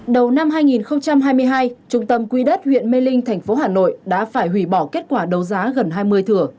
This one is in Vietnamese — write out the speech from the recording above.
đầu năm hai nghìn hai mươi hai trung tâm quy đất huyện mê linh thành phố hà nội đã phải hủy bỏ kết quả đấu giá gần hai mươi thửa